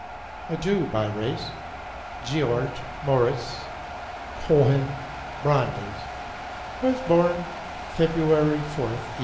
A Jew by race, Georg Morris Cohen Brandes was born February 4th, 1842.